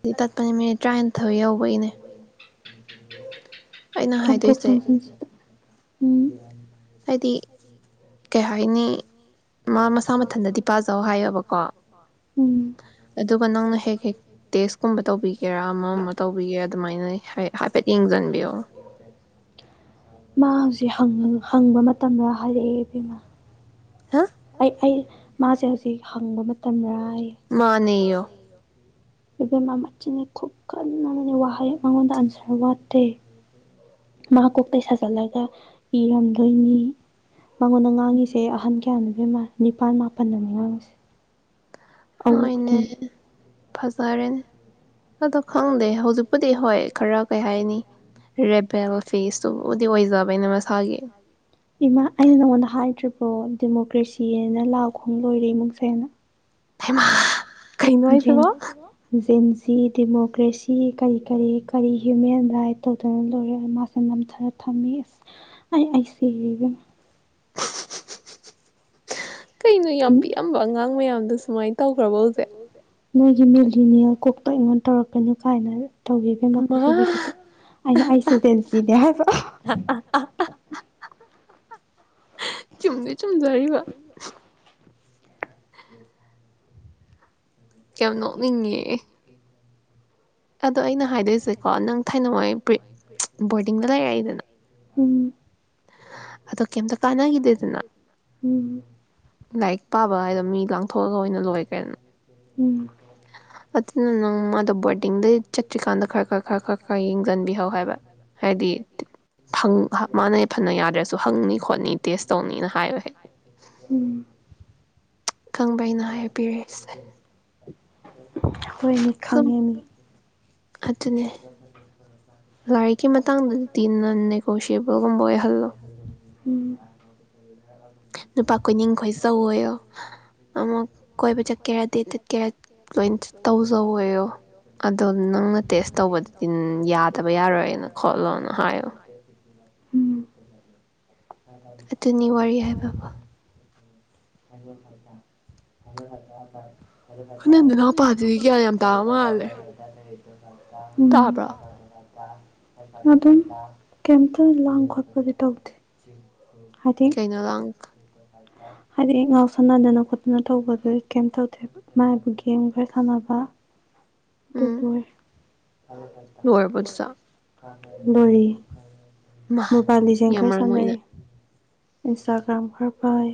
ꯗꯤ ꯊꯛ ꯊ ꯇꯠꯄꯅꯦ ꯃꯤꯅꯤꯠ ꯊꯅꯤ ꯇꯔꯥꯅꯤꯊꯣꯏ ꯌꯧꯕꯒꯤꯅꯦ ꯑꯩꯅ ꯆꯣꯡꯊꯣꯛ ꯍꯥꯏꯗꯣꯏꯁꯦ ꯆꯣꯡꯁꯤꯟꯁꯤꯗ ꯎꯝ ꯍꯥꯏꯗꯤ ꯀꯩ ꯍꯥꯏꯥꯏꯅꯤ ꯃꯁꯥ ꯃꯗꯗꯤ ꯄꯖ ꯍꯥꯏꯌꯦꯕꯀꯣ ꯎꯝ ꯅꯪꯅ ꯑꯗꯨꯒ ꯍꯦꯛ ꯍꯦꯛ ꯇꯦꯁꯀꯨꯝꯕ ꯇꯧꯕꯤꯒꯦꯔꯥ ꯑꯃ ꯑꯃ ꯇꯧꯕꯤꯒꯦꯔꯥ ꯑꯗꯨꯃꯥꯏꯅ ꯍꯥꯏꯐꯦꯠ ꯌꯦꯡꯁꯤꯟꯕꯤꯌꯣ ꯁꯤ ꯍꯪꯕ ꯃꯇꯝꯗ ꯍꯥꯏꯔꯛꯑꯦꯕꯦꯝꯃꯥ ꯍꯥ ꯑꯩ ꯑꯩ ꯃꯥꯁꯦ ꯍꯧꯖꯤꯛ ꯍꯪꯕ ꯃꯇꯝ ꯃꯥꯅꯦꯣ ꯕ ꯃ ꯃꯆꯤꯟꯅ ꯈꯨꯨꯞ ꯀꯟꯅ ꯋꯥꯍꯩ ꯃꯉꯣꯟꯗ ꯑꯟꯁꯔ ꯋꯥꯠꯇꯦ ꯃꯥ ꯀꯣꯛꯇ ꯁꯥꯖꯠꯂꯒ ꯏꯔꯝꯗꯣꯏꯅꯤ ꯃꯥꯉꯣꯟꯗ ꯉꯥꯡꯉꯤꯁꯦ ꯑꯍꯟ ꯀꯌꯥꯅꯣꯗꯤꯦꯝ ꯃꯥꯜꯂꯦ ꯅꯤꯄꯥꯜ ꯃꯥꯄꯜꯗꯅꯤ ꯉꯥꯡꯉꯁꯦ ꯍꯣꯏꯅꯦ [unintelligible] ꯐꯖꯔꯦꯅꯦ ꯑꯗꯣ ꯈꯪꯗꯦ ꯍꯧꯖꯤꯛꯄꯨꯗꯤ ꯍꯣꯏ ꯈꯔ ꯀꯩ ꯍꯥꯏꯅꯤ ꯔꯦꯕꯦꯜ ꯐꯦꯁꯇꯨꯕꯨꯗꯤ ꯑꯣꯏꯖꯕꯩꯅꯦ ꯃꯁꯥꯒꯤ ꯏꯃꯥ ꯑꯩꯅ ꯅꯉꯣꯟꯗ ꯍꯥꯏꯗ꯭ꯔꯤ ꯑꯣ ꯗꯦꯃꯣꯀ꯭ꯔꯦꯁꯤꯑꯅ ꯂꯥꯑꯣ ꯈꯣꯡ ꯂꯣꯏꯔꯦ ꯏꯃꯨꯡꯁꯦꯅ ꯍꯦꯃ ꯀꯩꯩꯅꯣ ꯍꯥꯌꯁꯤꯕꯣ ꯁꯤ ꯗꯦꯃꯣꯀ꯭ꯔꯦꯁꯤ ꯀꯔꯤ ꯀꯔꯤ ꯀꯔꯤ ꯍ꯭ꯌꯨꯃꯦꯟ ꯔꯥꯏꯠ ꯇꯧꯗꯨꯅ ꯂꯧꯔꯦ ꯃꯥꯁꯦ ꯅꯝꯊꯅ ꯊꯝꯃꯤ ꯑꯁ ꯑꯩ ꯑꯩꯁꯤꯔꯦ ꯏꯕꯦꯝꯄ ꯀꯩꯅꯣ ꯌꯥꯝ ꯄꯤꯛꯑꯝꯕ ꯑꯉꯥꯡ ꯃꯌꯥꯝꯗꯣ ꯁꯨꯃꯥꯏꯅ ꯇꯧꯈ꯭ꯔꯕ ꯍꯧꯖꯤꯛ ꯅꯣꯏꯒꯤ ꯃꯦꯂꯤꯅꯤ ꯀꯣꯛꯇ ꯑꯩꯉꯣꯟ ꯇꯧꯔꯛꯀꯅꯤꯨ ꯀꯥꯏꯅ ꯇꯧꯈꯤꯕꯒꯦ ꯃꯥ ꯃꯈꯣꯏꯁꯦ ꯍꯣꯏꯗꯗꯤ ꯑꯩꯅ ꯑꯩꯁꯨ ꯟꯁꯤꯅꯦ ꯍꯥꯏꯕ ꯆꯨꯝꯗꯤ ꯆꯨꯝꯗꯣꯔꯤꯕ ꯌꯥꯝ ꯅꯣꯛꯅꯤꯡꯉꯦ ꯑꯗꯣ ꯑꯩꯅ ꯍꯥꯏꯗꯣꯏꯁꯦꯀꯣ ꯅꯪ ꯍꯥꯏꯗꯣꯏꯔꯤꯁꯦꯀꯣ ꯊꯥꯏꯅꯋꯥꯏ ꯕꯣꯔꯗꯤꯡꯗ ꯂꯩꯔꯛꯏꯗꯅ [unintelligible] ꯎꯝ ꯑꯗꯣ ꯀꯦꯏꯝ ꯇꯟꯒꯤꯗꯦꯗꯟ ꯎꯝ ꯂꯥꯏꯔꯤꯛ ꯄꯥꯕ ꯍꯥꯏꯗꯣ ꯃꯤ ꯂꯥꯡꯊꯣꯛꯑꯒ ꯑꯣꯏꯅ ꯂꯣꯏ ꯀꯔꯤꯅ ꯎꯝ [unintelligible] [inaudible] ꯆꯠꯇ꯭ꯔꯤꯀꯥꯟꯗ ꯈꯔ ꯈꯔ ꯈꯔ ꯈꯔ ꯈꯔ ꯌꯦꯡꯁꯤꯟꯕꯤꯍꯧ ꯍꯥꯏꯕ ꯍꯥꯏꯗꯤ ꯃꯥꯅ ꯐꯅ ꯌꯥꯗ꯭ꯔꯁꯨ ꯍꯪꯅꯤ ꯈꯣꯠꯅꯤ ꯇꯦꯁ ꯇꯧꯅꯤꯅ ꯍꯥꯏꯌꯣ ꯍꯦꯛ [unintelligible] ꯎꯝ ꯈꯪꯕꯔꯥ ꯑꯩꯅ ꯍꯥꯏꯕꯤꯔꯤꯁꯦ ꯍꯣꯌꯅꯦ ꯈꯪꯉꯦꯅꯦ [inaudible] ꯀꯤ ꯃꯇꯥꯡꯗꯗꯤ [unintelligible] ꯁꯤꯕꯣ ꯒꯨꯝꯕ ꯑꯣꯏꯍꯜꯂꯣ ꯎꯝ ꯅꯨꯄꯥ ꯀꯣꯏꯅꯤꯡꯈꯣꯏ ꯆꯧ ꯑꯣꯏꯌꯣ ꯑꯃꯨꯛ ꯀꯣꯏꯕ ꯆꯠꯀꯦꯔꯥ ꯗꯦꯠ ꯆꯠꯀꯦꯔꯥ ꯂꯣꯏ ꯇꯧꯖꯧꯋꯣꯌꯣ ꯑꯗꯣ ꯅꯪꯅ ꯇꯦꯁ ꯇꯧꯕꯗꯨꯗꯤ ꯌꯥꯗꯕ ꯌꯥꯔꯣꯏꯅ ꯈꯣꯠꯂꯣꯅ ꯍꯥꯏꯌꯣ [inaudible] ꯑꯗꯨꯅꯤ ꯋꯥꯔꯤ ꯍꯥꯏꯕꯕꯣ [inaudible] ꯅꯪ ꯦ ꯅꯅꯥꯎꯄꯥꯗꯨꯗꯤ ꯒ꯭ꯌꯥꯟ ꯌꯥꯝ ꯇꯥꯕ ꯃꯥꯜꯂꯦ [inaudible] ꯎꯝ ꯇꯥꯕ꯭ꯔꯣ ꯑꯗꯨ ꯑꯗꯨꯝ ꯀꯝꯇ ꯂ ꯈ ꯀꯗꯤ ꯇꯧꯗꯦ ꯍꯥꯏꯗꯤ ꯀꯩꯅꯣ ꯂꯪ ꯍꯥꯏꯗꯤ ꯑꯩ ꯉꯥꯎ ꯁꯥꯟꯅꯗꯅ ꯈꯣꯠꯇꯅ ꯇꯧꯕꯗ ꯀꯩꯝ ꯇꯧꯗꯦ ꯃꯥꯏꯕꯨ ꯒꯦꯝ ꯈꯔ ꯁꯥꯟꯅꯕ ꯎꯝ ꯇꯂꯣꯏ ꯂꯣꯏꯔꯕꯣ ꯑꯗꯨꯁꯨ ꯐ ꯇꯥꯏꯗ ꯃꯥ [inaudible] ꯃꯣꯕꯥꯂꯤꯖ ꯌꯥꯝ ꯈꯔ ꯃꯔꯝ ꯁꯅ ꯃꯣꯛꯏꯅ ꯏꯟꯁꯇꯒ꯭ꯔꯝ ꯐꯔ ꯄꯥꯏ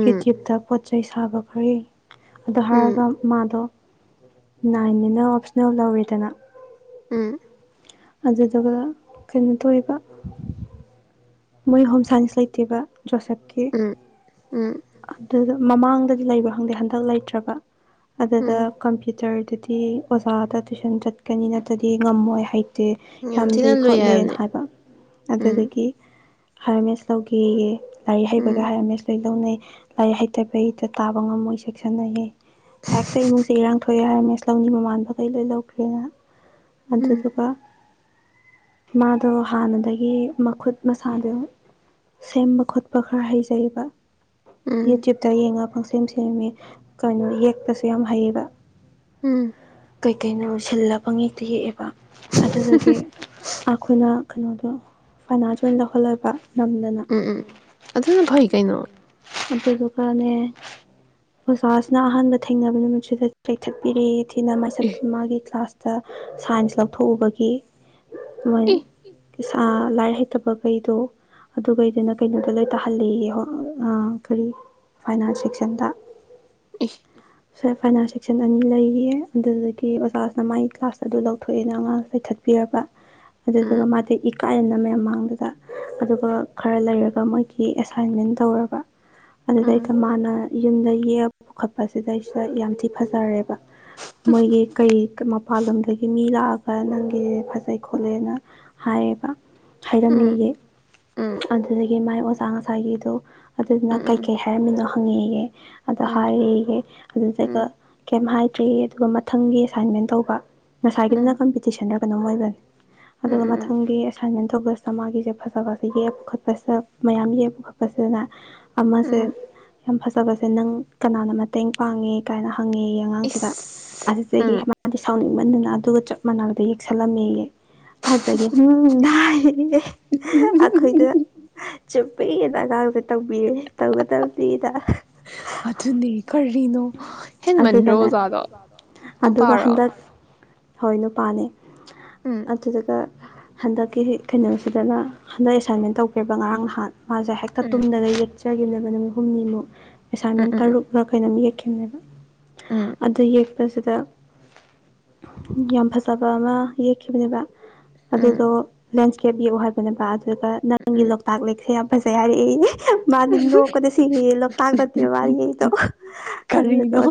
ꯒꯦ ꯆꯠꯇ ꯆꯩ ꯁꯥꯕ ꯐꯔꯦ ꯑꯗꯣ ꯎꯝ ꯍꯥꯏꯔꯒ ꯃꯥꯗ ꯅꯅꯥ ꯏꯟꯅ ꯑꯣꯞꯁꯟ ꯂ ꯑꯣꯏꯦꯗꯅ ꯎꯝ ꯑꯗꯨꯗꯨꯒ ꯀꯩꯅꯣ ꯇꯧꯔꯤꯕ ꯃꯣꯏ ꯍꯣꯝ ꯁꯥꯏꯟꯁ ꯂꯩꯇꯦꯕ ꯣꯁꯞꯀꯤ ꯎꯝ ꯎꯝ ꯑꯗꯨ ꯃꯃꯥꯡꯗꯗꯤ ꯂꯩꯕ ꯈꯪꯗꯦ ꯍꯟꯗꯛ ꯂꯩꯇ꯭ꯔꯕ ꯑꯗꯨꯗ ꯎꯝ ꯀꯝꯄ꯭ꯌꯨꯇꯔ ꯑꯗꯨꯗꯤ ꯑꯣꯖꯥꯗ ꯇꯨꯏꯁꯟ ꯆꯠꯀꯅꯤ ꯅꯠꯇ꯭ꯔꯗꯤ ꯉꯝꯃꯣꯏ ꯍꯩ ꯌꯥꯝ ꯂꯨꯏ ꯈꯣꯠꯂꯦꯅ ꯍꯥꯏꯕ ꯎꯝ ꯑꯗꯨꯗꯒꯤ ꯍꯥꯔꯃꯦꯁ ꯂꯧꯧꯒꯦꯌꯦ ꯂꯥꯏꯔꯤꯛ ꯍꯩꯕꯒ ꯎꯝ ꯍꯥꯏꯔꯦꯝꯃꯦꯁꯇꯣꯏ ꯂꯧꯅꯩ ꯂꯥꯏꯔꯤꯛ ꯍꯩꯇꯕ ꯍꯗ ꯇꯥꯕ ꯉꯝꯃꯣꯏ ꯆꯦꯛꯁꯤꯟꯅꯑꯌꯦ ꯍꯦꯛꯇ ꯏꯃꯨꯡꯁꯦ ꯏꯔꯥꯡ ꯊꯣꯛꯑꯦ ꯍꯥꯏꯔꯥꯃꯦꯁ ꯂꯧꯅꯤ ꯃꯃꯥꯟꯕ ꯀꯩ ꯂꯣꯏ ꯂꯧꯈ꯭ꯔꯦꯅ ꯎꯝ ꯑꯗꯨꯗꯗꯨ ꯀ ꯃꯥꯗꯣ ꯍꯥꯟꯅꯗꯒꯤ ꯃꯈꯨꯠ ꯃꯁꯥꯗꯣ ꯁꯦꯝꯕ ꯈꯣꯠꯄ ꯈꯔ ꯍꯩꯖꯩꯑꯕ ꯎꯝ ꯌꯨꯇꯨꯕ ꯇ ꯌꯦꯡꯉ ꯁꯦꯝ ꯁꯦꯝꯃꯦ ꯀꯩꯅꯣ ꯌꯦꯛꯄꯁꯨ ꯌꯥꯝ ꯍꯩꯌꯦꯕ ꯎꯝ ꯀꯩꯀꯩꯅꯣ ꯁꯤꯜꯂ ꯐꯉꯦꯛꯇ ꯌꯦꯛꯑꯦꯕ ꯑꯗꯨꯗꯒꯤ ꯑꯩꯈꯣꯏꯅ ꯀꯩꯅꯣꯗꯣ ꯐꯥꯏꯅꯥꯟꯁ ꯑꯣꯏꯅ ꯂꯧꯍꯜꯂꯕ ꯎꯝ ꯎꯝ ꯑꯗꯨꯅ ꯐꯩ ꯀꯩꯅꯣ ꯑꯗꯨꯗꯨꯒꯅꯦ ꯑꯣꯖꯥꯁꯤꯅ ꯑꯍꯥꯟꯕ ꯊꯦꯡꯅꯕ ꯅꯨꯃꯤꯠꯁꯤꯗ ꯆꯦꯛꯊꯠꯄꯤꯔꯛꯦ ꯊꯤꯅ ꯏ ꯃꯥꯒꯤ ꯀ꯭ꯂꯥꯁ ꯁꯥꯏꯟꯁ ꯂ ꯊꯣꯛꯕꯒꯤ ꯃꯣꯏ ꯏ ꯂꯥꯏꯔꯤꯛ ꯍꯩꯇꯕꯈꯩꯗꯣ ꯑꯗꯨꯈꯩꯗꯨꯅ ꯀꯩꯅꯣꯗ ꯂꯣꯏ ꯇꯥꯍꯜꯂꯤꯌꯦ ꯀꯔꯤ ꯐꯥꯏꯅꯥꯟꯁ ꯁꯦꯛꯁꯟꯗ ꯑꯦ ꯁꯦ ꯐꯥꯏꯅꯥꯟꯁ ꯁꯦꯛꯁꯟ ꯑꯅꯤ ꯂꯩꯌꯦ ꯑꯗꯨꯗꯒꯤ ꯑꯣꯖꯥꯁꯤꯅ ꯃꯒꯤ ꯀ꯭ꯂꯥꯁ ꯑꯗꯨ ꯂꯧꯊꯣꯛꯑꯦ ꯑꯩꯈꯣꯏ ꯑꯅ ꯑꯉꯥꯡ ꯄꯥꯏꯈꯠꯄꯤꯔꯕ ꯑꯗ ꯎꯝ ꯑꯗꯨꯒꯒ ꯃꯥ ꯏ ꯀꯥꯍꯦꯟꯅ ꯃꯌꯥꯝ ꯃꯥꯡꯗꯨꯗ ꯑꯗꯨꯒ ꯈꯔ ꯂꯩꯔꯒ ꯃꯣꯏꯒꯤ ꯑꯦꯁꯥꯏꯟꯃꯦꯟ ꯇꯧꯔꯕ ꯑꯗꯨꯗ ꯎꯝ ꯂꯩꯀ ꯃꯥ ꯌꯨꯝꯗ ꯌꯦꯛꯑꯒ ꯄꯨꯈꯠꯄꯁꯤꯗꯩꯁꯤꯗ ꯌꯥꯝ ꯊꯤ ꯐꯖꯔꯦꯕ ꯃꯣꯏꯒꯤ ꯀꯩ ꯃꯄꯥꯟ ꯂꯝꯗꯒꯤ ꯃꯤ ꯂꯥꯛꯑꯒ ꯅꯪꯒꯤꯁꯦ ꯐꯖꯩ ꯈꯣꯠꯂꯦꯅ ꯍꯥꯏꯌꯦꯕ ꯎꯝ ꯍꯥꯏꯔꯝꯃꯤꯒꯤ ꯎꯝ ꯑꯗꯨꯗꯒꯤ ꯃꯥꯏ ꯑꯁꯥ ꯉꯁꯥꯒꯤꯗꯨꯣ ꯑꯗꯨꯗꯨꯅ ꯎꯝ ꯎꯝ ꯀꯩꯀꯩ ꯍꯥꯏꯔꯝꯃꯤꯅꯣ ꯐꯪꯉꯤꯒꯦ ꯑꯗ ꯎꯝ ꯍꯥꯏꯔꯍꯦ ꯑꯗꯨ ꯀꯩ ꯍꯥꯏ ꯭ꯔꯤ ꯑꯗꯨꯒ ꯃꯊꯪꯒꯤ ꯑꯦꯁꯥꯏꯟꯃꯦꯟ ꯇꯧꯕ ꯁꯥꯏꯒꯤꯗꯅ ꯎꯝ ꯀꯝꯄꯄꯤꯇꯤꯁꯁꯅꯦ ꯀꯅꯝ ꯑꯣꯏꯖꯔꯦ ꯑꯗꯨꯒ ꯎꯝ ꯃꯊꯪꯒꯤ ꯑꯦꯁꯥꯏꯟꯃꯦꯟ ꯑꯧꯕ ꯃꯥꯒꯤꯁꯦ ꯐꯖꯕꯁꯦ ꯌꯦꯛꯄ ꯈꯣꯠꯄꯁꯤꯗ ꯃꯌꯥꯝ ꯌꯦꯛꯄ ꯈꯣꯠꯄꯁꯤꯗꯅ ꯑꯃꯃ ꯁꯦ ꯎꯝ ꯌꯥꯝ ꯐꯖꯕꯁꯦ ꯅꯪ ꯀꯅꯥꯅ ꯃꯇꯦꯡ ꯄꯥꯡꯉꯦ ꯀꯥꯏꯅ ꯐꯪꯉꯦ ꯑꯉꯥꯡꯁꯤꯗ ꯏꯁ ꯑꯁꯤꯁ ꯎꯝ ꯑꯩꯃꯗꯤ ꯁꯥꯎꯅꯤꯡ ꯃ ꯑꯗꯨꯒ ꯆꯞ ꯃꯥꯟꯅꯗ ꯌꯦꯛꯁꯜꯂꯝꯃꯦꯌꯦ ꯑꯗꯨꯒꯦ ꯎꯝ [inaudible] ꯑꯩꯈꯣꯏꯗ ꯆꯨꯞꯄ ꯌꯦ ꯑꯗꯥꯒ ꯇꯧꯕꯤꯔꯦ ꯇꯧꯒꯗꯕꯅꯤꯅ ꯑꯗꯨꯅꯦ ꯀꯔꯤꯅꯣ ꯍꯦꯟꯃꯟꯗ꯭ꯔꯣ ꯑꯗꯨꯒꯅꯦ ꯑꯣꯖꯥꯗꯣ ꯑꯗꯨꯒ ꯅꯨꯄꯥꯔꯣ ꯍꯟꯗꯛ ꯍꯣꯏ ꯅꯨꯄꯥꯅꯦ ꯎꯝ ꯑꯗꯨꯗꯨꯒ ꯍꯟꯗꯛꯀꯤ ꯀꯩꯅꯣꯁꯤꯗꯅ ꯍꯟꯗꯛ ꯑꯦꯁꯥꯏꯟꯃꯦꯟ ꯇꯧꯈꯔ꯭ꯦ ꯕ ꯉꯔꯥꯡ ꯅꯍꯥꯟ ꯃꯥꯁꯦ ꯍꯦꯛꯇ ꯎꯝ ꯇꯨꯝꯗꯅ [unintelligible] ꯆꯥꯒꯤꯨꯝꯅꯕ ꯅꯨꯃꯤꯠ ꯍꯨꯝꯅꯤꯃꯨꯛ ꯎꯝ ꯑꯦꯁꯥꯏꯟꯃꯦꯟ ꯎꯝ ꯇꯔꯨꯛꯔꯂꯥ ꯀꯩꯅꯣꯝ ꯌꯦꯛ ꯅꯦꯕ ꯎꯝ ꯑꯗꯨ ꯌꯦꯛꯄꯁꯤꯗ ꯌꯥꯝ ꯐꯖꯕ ꯑꯃ ꯌꯦꯛꯈꯤꯕꯅꯦꯕ ꯎꯝ ꯑꯗꯨꯗꯣ ꯂꯦꯟꯁ꯭ꯀꯦꯞ ꯌꯦꯛꯎ ꯍꯥꯏꯕꯅꯦꯕ ꯑꯗꯣ ꯑꯗꯨꯒ ꯅꯪꯒꯤ ꯎꯝ ꯂꯣꯛꯇꯥꯛ ꯂꯦꯛꯁꯦ ꯌꯥꯝ ꯐꯖꯩ ꯍꯥꯏꯔꯛꯑꯦꯌꯦ ꯃꯥꯕꯥꯗꯤ ꯅꯣꯛꯄꯗ ꯁꯤꯔꯦꯌꯦ ꯂꯣꯛꯇꯥꯛ ꯅꯠꯇꯦꯕ ꯃꯥꯅ ꯌꯦꯛꯏꯗꯣ ꯑꯗꯨꯗꯨꯒ ꯀꯔꯤꯅꯣ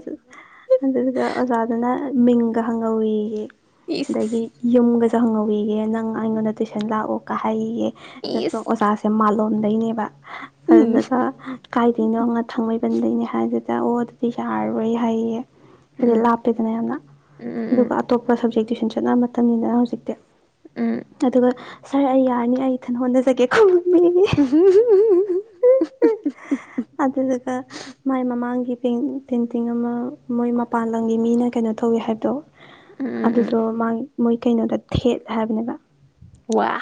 ꯑꯗꯨꯗꯨꯒ ꯑꯣꯖꯥꯗꯨꯅ ꯃꯤꯡꯒ ꯍꯪꯍꯧꯌꯦ ꯌꯦ ꯏꯁ ꯑꯗꯒꯤ ꯌꯨꯝꯒꯁꯦ [unintelligible] ꯪ ꯑꯩꯉꯣꯟꯗ ꯇꯨꯏꯁꯟ ꯂꯥꯛꯎ ꯀꯥꯍꯥꯌꯦ ꯌꯦ ꯏꯁ ꯑꯣꯖꯥꯁꯦ ꯃꯂꯣꯝ [unintelligible] ꯗꯩꯅꯦꯕ ꯎꯝ ꯑꯗꯨꯗꯨꯒ ꯀꯥꯏꯗꯩꯩꯅꯣꯅ ꯊꯥꯡꯃꯩꯕꯟꯗꯩꯅꯦ ꯍꯥꯏꯒꯤ ꯑꯣ ꯑꯗꯤ ꯌꯥꯔꯔꯣꯏ ꯍꯥꯏꯌꯦꯌꯦ ꯍꯥꯌꯗꯤ ꯎꯝ ꯂꯞꯄꯦꯗꯅ ꯌꯥꯝꯅ ꯎꯝ ꯑꯗꯨꯒ ꯑꯇꯣꯞꯄ ꯁꯞꯖꯦꯛ ꯇ꯭ꯋꯨꯁꯟ ꯆꯠꯅ ꯃꯇꯝꯅꯤꯅ ꯍꯧꯖꯤꯛꯇꯤ ꯎꯝ ꯑꯗꯨꯒ ꯁꯥꯔ ꯑꯩ ꯌꯥꯔꯅꯤ ꯑꯩ ꯏꯊꯟ ꯍꯣꯠꯅꯖꯒꯦ [unintelligible] ꯃꯤ ꯑꯗꯨꯗꯨꯒ ꯃꯥꯏ ꯃꯃꯥꯡꯒꯤ ꯄꯦꯟꯇꯤꯡ ꯑꯃ ꯃꯣꯏ ꯃꯄꯥꯟ ꯂꯝꯒꯤ ꯃꯤꯅ ꯀꯩꯅꯣ ꯇꯧꯋꯤ ꯍꯥꯏꯕꯗꯣ ꯎꯝ ꯑꯗꯨꯗꯣ ꯃꯥ [unintelligible] ꯃꯣꯏ ꯀꯩꯅꯣꯗ ꯊꯦꯠ ꯍꯥꯏꯕꯅꯦꯕ ꯋꯥ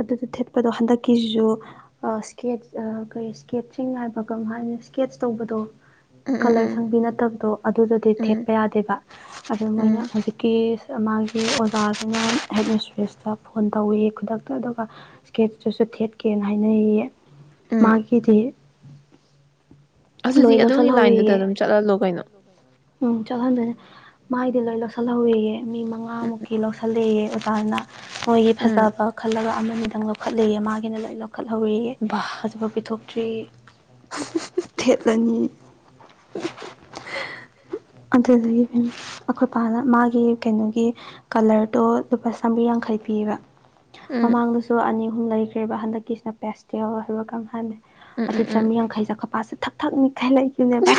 ꯑꯗꯨꯗ ꯊꯦꯠꯄꯗꯣ ꯍꯟꯗꯛꯀꯤꯁꯤꯁꯨ ꯏꯁꯀꯦꯠ ꯀꯩ ꯏꯁꯀꯦꯠꯆꯤꯡ ꯍꯥꯏꯕ ꯀꯝ ꯍꯥꯏꯅꯤ ꯏꯁꯀꯦꯠꯁ ꯇꯧꯕꯗꯣ ꯎꯝ ꯀꯂꯔ ꯎꯝ ꯁꯪꯕꯤ ꯅꯠꯇꯕꯗꯣ ꯑꯗꯨꯗꯗꯤ ꯎꯝ ꯊꯦꯠꯄ ꯌꯥꯗꯦꯕ ꯑꯗꯨ ꯎꯝ ꯃꯣꯏꯅ ꯍꯧꯖꯤꯛꯀꯤ ꯃꯥꯒꯤ ꯑꯣꯖꯥꯗꯨꯅ ꯍꯦꯠ ꯃꯤꯁꯇ꯭ꯔꯤꯁꯇ ꯐꯣꯟ ꯇꯧꯋꯦꯌꯦ ꯈꯨꯗꯛꯇ ꯑꯗꯨꯒ ꯏꯁꯀꯦꯠꯇꯨꯖꯨ ꯊꯦꯠꯀꯦꯅ ꯍꯥꯏꯅꯩꯌꯦ ꯎꯝ ꯃꯥꯒꯤꯗꯤ ꯂꯣꯏ ꯑꯗꯨꯗꯤ ꯑꯗꯣꯝꯒꯤ ꯂꯥꯏꯟꯗꯨꯗ ꯂꯧꯁꯜꯍꯧꯋꯦꯌꯦ ꯑꯗꯨꯝ ꯆꯠꯍꯜꯂꯣ ꯀꯩꯅꯣ ꯎꯝ ꯆꯠꯍꯜꯗꫭꯏꯅꯦ ꯃꯥꯒꯤꯗꯤ ꯂꫭꯏ ꯂꯧꯁꯜ ꯍꯧꯋꯦꯌꯩ ꯃꯤ ꯎꯝ ꯃꯉꯥꯃꯨꯛꯀꯤ ꯂꯧꯁꯜꯂꯦꯌꯦ ꯇꯟꯅ ꯃꯣꯏꯒꯤ ꯎꯝ ꯐꯖꯕ ꯈꯜꯂꯒ ꯑꯃ ꯑꯅꯤꯗꯪ ꯂꯧꯈꯠꯂꯤꯌꯦ ꯃꯥꯒꯤꯅ ꯂꫭꯏ ꯂꯧꯈꯠ ꯍꯧꯋꯦꯌꯦ ꯕꯥ ꯍꯥꯖꯤꯛꯐꯧ ꯄꯤꯊꫭꯛ ꯇꯔꯤ ꯊꯦꯠꯂꯅꯤ ꯑꯗꯨꯗꯒꯤ ꯑꯩꯈꯣꯏ ꯄꯥꯅ ꯃꯥꯒꯤ ꯀꯩꯅꯣꯒꯤ ꯀꯂꯔꯗꯣ ꯂꯨꯄꯥ ꯆꯥꯝꯃꯔꯤ ꯌꯥꯡꯈꯩ ꯄꯤꯕ ꯎꯝ ꯃꯃꯥꯡꯗꯁꯨ ꯑꯅꯤ ꯑꯍꯨꯝ ꯂꯩꯈ꯭ꯔꯦꯕ ꯍꯟꯗꯛꯀꯤꯁꯤꯅ ꯄꯦꯁꯇꯦꯜ ꯍꯥꯏꯕ ꯀꯩꯅꫭꯝ ꯌꯥꯏꯃꯤ ꯎꯝ ꯑꯗꯨ ꯎꯝ ꯎꯝ ꯆꯥꯝꯔꯤ ꯌꯥꯡꯈꯩꯖꯦ ꯑꯩꯈꫭꯏ ꯄꯥ ꯊꯛ ꯊꯛꯅꯤ ꯈꯑ ꯂꯩꯒꯤꯕꯅꯦꯕ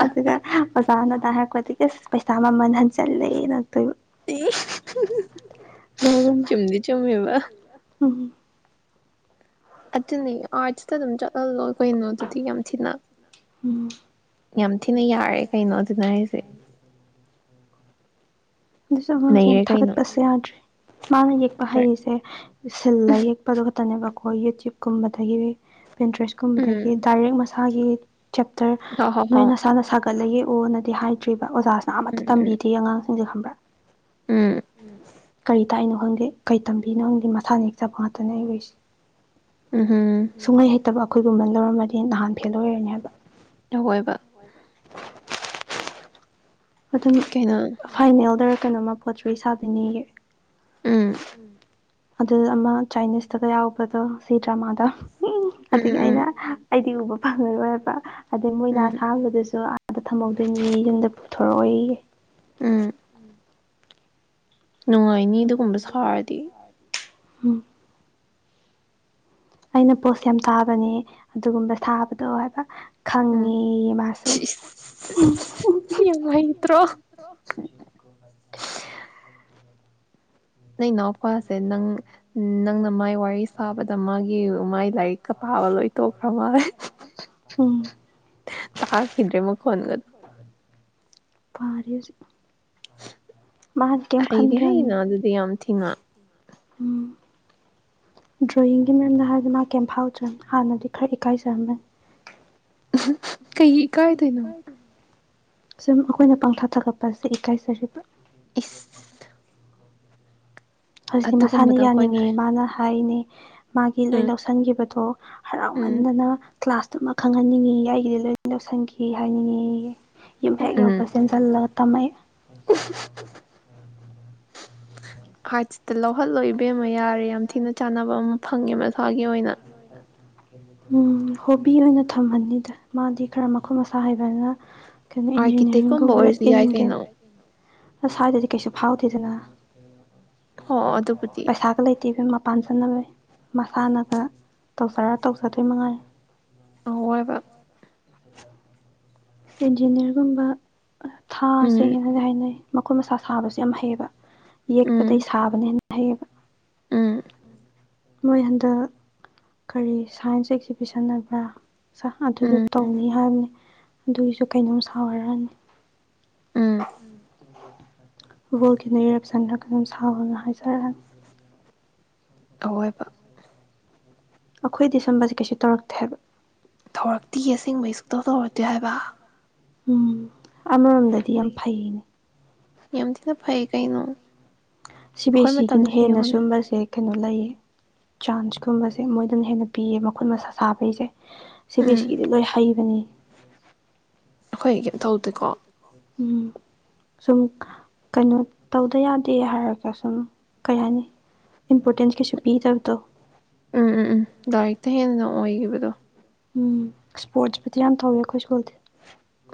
ꯑꯗꯨꯒ- [unintelligible] ꯑꯩꯈꫭꯏꯗꯤ ꯀꯁ ꯄꯩꯁꯥ ꯃꯃꯜ ꯍꯟ ꯆꯠꯂꯦꯅ [inaudible] ꯂꯣꯏꯔꯦ ꯏꯕꯦꯝꯃ ꯀꯩꯕꯥ ꯎꯝ ꯑꯗꯨꯅꯤ ꯑꯥꯔꯠꯁꯇꯥ ꯑꯗꯨꯝ ꯆꯠꯍꯜꯂꫭ ꯀꯩꯅꯣ ꯑꯗꯨꯗꯤ ꯌꯥꯝ ꯊꯤꯅ ꯎꯝ ꯌꯥꯝ ꯊꯤꯅ ꯌꯥꯔꯦ ꯀꯩꯅꯣ ꯑꯗꯨꯅ ꯍꯥꯏꯁꯦ [unintelligible] ꯑꯗꯨꯖꯨ ꯑꯉꯥꯡꯖꯦ ꯌꯥꯝ ꯅꯩꯔꯦ ꯀꯩꯅꯣ ꯊꯥꯒꯠꯄꯁꯩ ꯌꯥꯗ꯭ꯔꯦ ꯃꯥꯅ ꯌꯦꯛꯄ ꯈꯔ ꯍꯩꯔꯤꯖꯦ ꯁꯤꯜꯂ ꯌꯦꯛꯄꯗꯨꯣ ꯈꯛꯇꯅꯦꯕꯀꯣ ꯍꫭꯏ ꯌꯨꯇ꯭ꯋꯨꯕ ꯀꯨꯝꯕꯗꯒꯤ ꯄꯦꯟ ꯎꯝ ꯗ꯭ꯔꯦꯁꯀꯨꯝꯕꯗꯒꯤ ꯗꯥꯏꯔꯦꯛꯁ ꯃꯁ ꯊꯥꯒꯤꯠ ꯆꯦꯇꯔ ꯍꯣ ꯍꯣ ꯍꯣ ꯅꯣꯏ ꯅꯁꯥ ꯅꯁꯥꯒ ꯂꯩꯌꯦ ꯑꯣꯅꯗꯤ ꯍꯥꯏꯗ꯭ꯔꯤꯕ ꯑꯣꯖꯥꯁꯤꯅ ꯑꯃꯠꯇ ꯎꯝ ꯎꯝ ꯇꯝꯕꯤꯗꯦ ꯑꯉꯥꯡ ꯃꯣꯖꯦ ꯈꯕ꯭ꯔꯥ ꯎꯝ ꯎꯝ ꯀꯔꯤ ꯇꯥꯛꯏꯅꯣ ꯈꯪꯗꯦ ꯀꯔꯤ ꯇꯝꯕꯤꯅꯣ ꯈꯪꯗꯦ ꯃꯁꯥꯅ ꯍꯦꯛ ꯆꯕ ꯉꯥꯛꯇꯅꯦ ꯑꯩꯟ ꯎꯔꯤꯁꯤ ꯎꯍꯝ ꯐꯠꯇꯕ ꯑꯈꯣꯏꯒꯨꯝꯕꯅ ꯂꯧꯔꯝꯃꯗꯤ ꯅꯍꯥꯟ ꯐꯦꯜ ꯑꯣꯏꯔꯅꯤ ꯍꯥꯏꯕ ꯇꯧꯋꯥꯏꯕ ꯑꯗꯨꯅꯤ ꯀꯩꯅꯣ ꯐꯥꯏꯅꯦꯜꯗ ꯈꯣꯏꯅꯝꯃ ꯄꯣꯠ ꯆꯣꯏ ꯁꯥꯕꯤꯅꯤꯌꯦ ꯎꯝ ꯑꯗꯨ ꯑꯃ ꯆꯥꯏꯅꯤꯁꯇꯒ ꯌꯥꯎꯕꯗꯣ ꯁꯤ ꯗ꯭ꯔꯃꯥꯗ ꯎꯝ ꯑꯗꯨꯒꯤ ꯎꯝ ꯎꯝ ꯑꯩꯅ ꯑꯩꯗꯤ ꯎꯕ ꯐꯪꯉꯔꯣꯏꯕ ꯑꯗꯩ ꯃꯣꯏꯅ ꯎꯝ ꯑꯁꯥꯕꯗꯁꯨ ꯑꯥꯗ ꯊꯝꯍꯧꯗꯣꯏꯅꯤ ꯌꯨꯝꯗ ꯊꯔꯣꯏꯌꯦ ꯎꯝ ꯅꯨꯡꯉꯥꯏꯅꯤ ꯑꯗꯨꯒꯨꯝꯕ ꯁꯥꯔꯗꯤ ꯎꯝ ꯑꯩꯅ ꯄꯣꯁ ꯌꯥꯝ ꯇꯥꯕꯅꯦ ꯑꯗꯨꯒꯨꯝꯕ ꯁꯥꯕꯗꯣ ꯍꯥꯏꯕ ꯎꯝ ꯈꯡꯉꯦꯌꯦ ꯃꯥꯁꯨ ꯁꯤ ꯌꯥꯝ ꯍꯩꯇ꯭ꯔꯣ ꯅꯪ ꯏꯅꯥꯎꯄꯥꯁꯦ ꯅꯪ ꯅꯪꯅ ꯃꯥꯏ ꯋꯥꯔꯤ ꯁꯥꯕꯗ ꯃꯥꯒꯤ ꯃꯥꯥꯏ ꯂꯥꯏꯔꯤꯛꯀ ꯄꯥꯕ ꯂꯣꯏ ꯇꯣꯛꯈ꯭ꯔ ꯃꯥꯜꯂꯦ ꯎꯝ ꯇꯥꯈꯤꯗ꯭ꯔꯦ ꯃꯈꯣꯟꯒ ꯄꯥꯔꯤꯁꯨ ꯍꯩꯗꯤ ꯍꯩꯅ ꯑꯗꯨꯗꯤ ꯌꯥꯝ ꯊꯤꯅ ꯎꯝ ꯗ꯭ꯔꯣꯌꯤꯡꯒꯤ ꯃꯔꯝꯗ ꯍꯥꯏꯔꯒ ꯃꯥ ꯀꯩꯐꯥꯎꯖꯝꯃꯦ ꯍꯥꯟꯅꯗꯤ ꯈꯔ ꯏꯀꯥꯏꯖꯔꯝꯃꯦ ꯎꯍꯝ ꯀꯩꯒꯤ ꯏꯀꯥꯌꯗꯣꯏꯅꯣ ꯁꯨꯝ ꯑꯩꯈꯣꯏꯅ ꯄꯥꯡꯊꯥ ꯊꯒꯠꯄꯁꯦ ꯏꯀꯥꯏꯆꯔꯤꯕ ꯏꯁ ꯍꯧꯖꯤꯛꯇꯤ ꯃꯁꯥꯅ ꯑꯗꯨꯒꯨꯝꯕꯗꯣ ꯑꯩꯈꯣꯏꯅ ꯌꯥꯅꯤꯡꯉꯦ ꯃꯥꯅ ꯍꯥꯏꯅꯦ ꯃꯥꯒꯤ ꯂꯣꯏ ꯎꯝ ꯂꯧꯁꯤꯟꯒꯤꯕꯗꯣ ꯎꯝ ꯍꯔꯥꯎꯃꯟꯗꯅ ꯀ꯭ꯂꯥꯁꯇꯨꯃ ꯈꯪꯍꯟꯅꯤꯡꯉꯤꯌꯦ ꯑꯩꯒꯤꯗꯤ ꯂꯣꯏ ꯂꯧꯁꯟꯈꯤ ꯍꯥꯏꯅꯤꯡꯉꯤꯌꯦ ꯌꯨꯝ ꯎꯝ ꯍꯦꯛ ꯎꯝ ꯌꯧꯕꯒ ꯆꯦꯟꯖꯜꯂꯣ ꯇꯃꯩ [inaudible] ꯑꯥꯔꯠꯁꯇꯣ ꯂꯧꯍꯜꯂꯣ ꯏꯕꯦꯝꯃ ꯌꯥꯔꯦ ꯌꯥꯝ ꯊꯤꯅ ꯆꯥꯟꯅꯕ ꯑꯃ ꯐꯪꯉꯦ ꯃꯁꯥꯒꯤ ꯑꯣꯏꯅ ꯎꯝ ꯍꯣꯕꯤ ꯑꯣꯏꯅ ꯊꯝꯍꯟꯅꯤꯗ ꯃꯥꯗꯤ ꯈꯔ ꯃꯈꯨꯠ ꯃꯁꯥ ꯍꯩꯕꯅꯤꯅ [inaudible] ꯑꯥꯔꯀꯤꯇꯦꯛꯀꯨꯝꯕ ꯏꯟꯖꯤꯟꯅꯤꯌꯥꯔꯒꯨꯝꯕꯗ ꯑꯣꯏꯔꯁꯨ ꯌꯥꯏ ꯏꯟꯒꯦ ꯀꯩꯅꯣ ꯑꯁꯥꯏꯗꯗꯤ ꯀꯩꯁꯨ ꯐꯥꯎꯗꯦꯗꯅ ꯍꯣ ꯑꯗꯨꯕꯨꯗꯤ ꯇꯦ ꯏꯕꯦꯃ ꯄꯥꯟ ꯆꯠꯅꯕꯩ ꯃꯁꯥꯅꯒ ꯇꯧꯖꯔ ꯇꯧꯖꯗꯣꯏ ꯃꯉꯥꯏꯔꯦ ꯑꯑꯣꯏꯕ ꯏꯟꯖꯤꯟꯅꯤꯌꯥꯔꯒꯨꯝꯕ ꯑ ꯎꯝ ꯊꯥꯁꯦꯅꯗꯤ ꯍꯥꯏꯅꯩ ꯃꯈꯨꯠ ꯃꯁꯥ ꯁꯥꯕꯁꯨ ꯌꯥꯝ ꯍꯩꯌꯦꯕ ꯎꯝ ꯌꯦꯛꯄꯗꯩ ꯁꯥꯕꯅ ꯍꯦꯟ ꯍꯩꯌꯦꯕ ꯎꯝ ꯃꯣꯏ ꯍꯟꯗꯛ ꯀꯔꯤ ꯁꯥꯏꯟꯁ ꯑꯦꯛꯖꯤꯕꯤꯁꯟ ꯍꯥꯏꯕ꯭ꯔꯥ ꯎꯝ [inaudible] ꯇꯧꯅꯤ ꯍꯥꯏꯕꯅꯤ ꯑꯗꯨꯏꯖꯨ ꯀꯩꯅꯣꯝ ꯁꯥꯎ ꯍꯥꯏꯔꯑꯅꯤ ꯎꯝ [inaudible] ꯕꯣꯜꯀꯦꯅꯣ ꯏꯔꯞꯁꯟꯂ ꯀꯩꯅꯣꯝ ꯁꯥꯎꯅ ꯍꯥꯏꯖꯔꯅꯤ ꯑꯑꯣꯏꯕ ꯑꯈꯣꯏꯗꯤ ꯁꯨꯝꯕꯁꯦ ꯀꯩꯁꯨ ꯇꯧꯔꯛꯇꯦ ꯍꯥꯏꯕ ꯋꯥ ꯎꯝ ꯑꯃꯔꯣꯝꯗꯗꯤ ꯌꯥꯝ ꯐꯩꯌꯦ ꯌꯥꯝꯊꯤꯅ ꯐꯩ ꯀꯩꯅꯣ ꯁꯤ ꯕꯤ ꯑꯩꯈꯣꯏ ꯑꯦꯁ ꯁꯤꯒꯤꯅ ꯃꯇꯝꯗꯗꯤ ꯍꯦꯟꯅ ꯌꯦꯡꯉꯨꯅꯦ ꯁꯨꯝꯕꯁꯦ ꯀꯩꯅꯣ ꯂꯩꯌꯦ ꯆꯥꯟꯁꯀꯨꯝꯕꯁꯦ ꯃꯣꯏꯗꯅ ꯍꯦꯟꯅ ꯄꯤꯌꯦ ꯃꯈꯨꯠ ꯃꯁꯥ ꯁꯥꯕꯩꯁꯦ ꯁꯤ ꯕꯤ ꯎꯝ ꯑꯦꯁ ꯏꯗꯤ ꯂꯣꯏ ꯍꯩꯕꯅꯤ ꯑꯈꯣꯏ ꯀꯩꯝ ꯇꯧꯗꯦꯀꯣ ꯎꯝ ꯁꯨꯝ ꯀꯩꯅꯣ ꯇꯧꯗ ꯌꯥꯗꯦ ꯍꯥꯏꯔꯒ ꯁꯨꯝ ꯀꯩ ꯍꯥꯏꯅꯤ ꯏꯝꯄꯣꯔꯇꯦꯟꯁ ꯀꯩꯁꯨ ꯄꯤꯗꯕꯗꯣ ꯎꯝ ꯎꯝ ꯎꯝ ꯂꯥꯏꯔꯤꯛꯇ ꯍꯦꯟꯅ ꯑꯣꯏꯒꯤꯕ ꯗꯣ ꯎꯝ ꯁꯄꯣꯠꯄꯨꯗꯤ ꯌꯥꯝ ꯊꯧꯋꯦ ꯑꯈꯣꯏ ꯏꯁꯀ꯭ꯨꯟꯕꯨꯗꯤ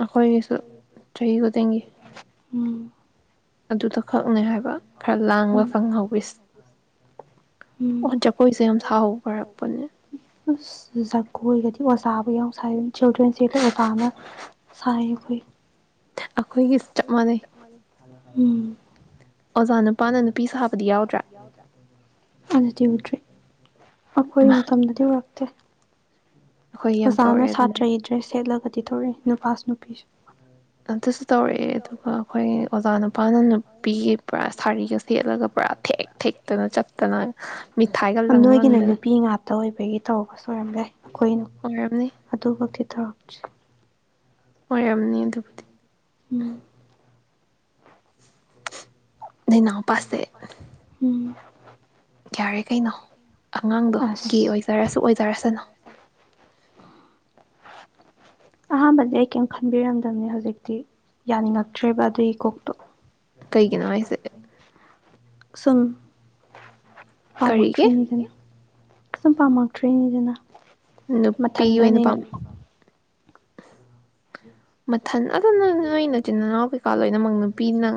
ꯑꯈꯣꯏꯒꯤꯁꯨ [unintelligible] ꯎꯝ ꯑꯗꯨꯗ ꯈꯛꯅꯦ ꯍꯥꯏꯕ ꯈꯔ ꯂꯥꯡꯕ ꯎꯝ ꯐꯪꯍꯧꯋꯁ ꯑꯣ ꯎꯝ ꯖꯒꯣꯏꯁꯦ ꯌꯥꯝ ꯁꯥꯎꯔꯛꯄꯅꯦ ꯖꯒꯣꯏꯒꯗꯤ ꯑꯣꯖꯥꯕꯨ ꯌꯥꯝꯎ ꯁꯥꯏ ꯑꯗꯨ ꯆꯤꯜꯗ꯭ꯔꯦꯟꯁ ꯗꯦꯗ ꯑꯣꯖꯥꯅ ꯁꯥꯏ ꯑꯩꯈꯣꯏ [inaudible] ꯑꯩꯈꯣꯏꯒꯤ ꯆꯞ ꯃꯥꯟꯅꯩ ꯑꯣꯖꯥ ꯍ ꯎꯟ ꯅꯨꯄꯥꯅ [unintelligible] ꯅꯨꯄꯤ ꯁꯥꯕꯗꯤ ꯌꯥꯎꯗ꯭ꯔꯥ ꯑꯩꯈꯣꯏ ꯃꯇꯝꯗꯗꯤ ꯎꯔꯛꯇꯦ ꯑꯩꯈꯣꯏ ꯌꯥꯝ ꯑꯣꯖꯥꯅ ꯇꯧꯔꯛꯑꯦ ꯑꯗꯨꯃꯥꯏꯅ ꯁꯥꯇ꯭ꯔꯒꯤ ꯗꯔ꯭ꯦꯁꯗ ꯁꯦꯠꯂꯒ [unintelligible] ꯅꯨꯄꯥꯁꯨ ꯅꯨꯄꯤꯁꯨ ꯑꯗꯨꯁꯨ ꯇꯧꯔꯛꯑꯦ ꯑꯗꯨꯒ ꯑꯩꯈꯣꯏ ꯑꯣꯖꯥꯅ ꯁꯦꯠꯂꯒ ꯄꯨꯔꯥ ꯊꯦꯛ ꯊꯦꯛꯇꯅ ꯆꯠꯇꯅ ꯃꯤꯊꯥꯏꯒ ꯂꯪ ꯅꯣꯏꯒꯤꯅ ꯂꯪꯗꯅ ꯅꯨꯄꯤ ꯉꯥꯛꯇ ꯑꯣꯏꯕꯒꯤ ꯇꯧꯔꯝꯕꯁꯨ ꯑꯣꯏꯔꯝꯕꯌ꯭ꯥꯏ ꯑꯩꯈꯣꯏꯅ ꯑꯣꯏꯔꯝꯅꯤ ꯑꯗꯨꯃꯛꯇꯤ ꯊꯧꯔꯛꯆꯩ ꯑꯣꯏꯌꯥꯝꯅꯤ ꯑꯗꯨꯕꯨꯗꯤ ꯎꯝ ꯅꯅꯥꯎꯄꯥꯁꯦ ꯎꯝ [unintelligible] ꯌꯥꯔꯦ ꯀꯩꯅꯣ ꯑꯉꯥꯡꯗꯣ ꯒꯤ ꯑꯁ ꯑꯣꯏꯖꯔꯁꯨ ꯑꯣꯏꯖꯔꯁꯅꯨ ꯑꯍꯥꯟꯕꯗꯤ ꯑꯩ ꯀꯔꯤꯝ ꯈꯟꯕꯤꯔꯝꯗꯕꯅꯤ ꯍꯧꯖꯤꯛꯇꯤ ꯌꯥꯅꯤꯡꯉꯛꯇ꯭ꯔꯦꯕ ꯑꯗꯨꯒꯤ ꯀꯣꯛꯇꯣ ꯀꯩꯒꯤꯅꯣ ꯍꯥꯏꯁꯦ ꯁꯨꯝ ꯀꯔꯤꯒꯤ ꯄꯥꯃꯛꯇꯔꯤꯅꯤꯗꯅꯥ ꯁꯨꯝ ꯄꯥꯝꯛꯇ꯭ꯔꯤꯅꯤꯗꯅ ꯅꯨꯄꯤ ꯑꯣꯏꯅ ꯄꯥꯝ ꯃꯊꯪ ꯅꯣꯏ ꯃꯆꯤꯟ ꯅꯥꯅꯥꯎꯒꯥꯁꯦ [unintelligible] ꯂꯣꯏꯅꯃꯛ ꯅꯨꯄꯤꯅ